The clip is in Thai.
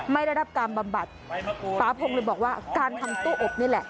ไม่ได้รับการบำบัดป๊าพงเลยบอกว่าการทำตู้อบนี่แหละ